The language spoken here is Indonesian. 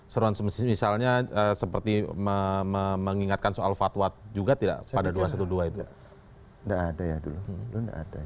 seronok semisalnya seperti mengingatkan soal fatwa juga tidak pada dua ratus dua belas itu ada ya dulu